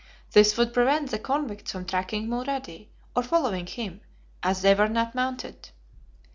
This would prevent the convicts from tracking Mulrady, or following him, as they were not mounted.